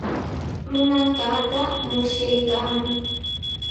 Ruranqaata musyaykanmi.